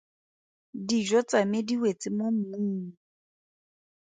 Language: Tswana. Dijo tsa me di wetse mo mmung.